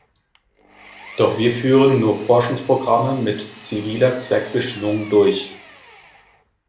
Doch wir führen nur Forschungsprogramme mit ziviler Zweckbestimmung durch.